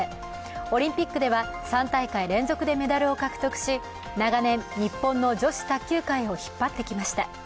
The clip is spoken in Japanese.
オリンピックでは３大会連続でメダルを獲得し長年、日本の女子卓球界を引っ張ってきました。